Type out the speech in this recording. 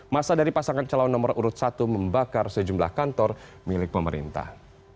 masa dari pasangan calon nomor urut satu membakar sejumlah kantor milik pemerintah